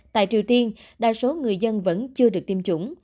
tại triều tiên đa số người dân vẫn chưa được tiêm chủng